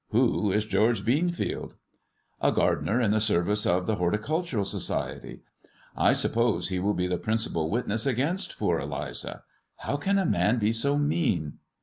Who is George Beanfiold?" A gardener in the service of the Horticultural Socdelgri, I suppose he will be the principal witness against Eliza. How can a man be so mean